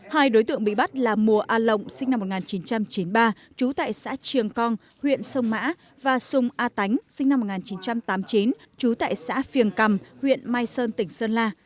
hai đối tượng bị bắt là mùa a lộng sinh năm một nghìn chín trăm chín mươi ba trú tại xã triềng cong huyện sông mã và sùng a tánh sinh năm một nghìn chín trăm tám mươi chín trú tại xã phiềng cầm huyện mai sơn tỉnh sơn la